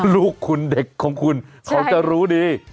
ลูกคุณเด็กของคุณเขาจะรู้ดี